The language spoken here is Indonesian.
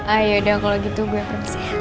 ayodah kalo gitu gua ke bisik ya